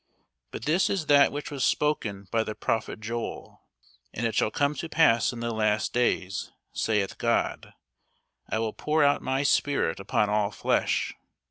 But this is that which was spoken by the prophet Joel; And it shall come to pass in the last days, saith God, I will pour out of my Spirit upon all flesh.